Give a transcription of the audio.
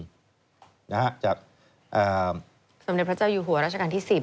จากสมเด็จพระเจ้าอยู่หัวราชการที่๑๐